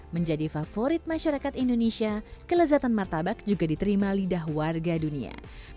menjadi favorit masyarakat indonesia kelezatan martabak juga diterima lidah warga dunia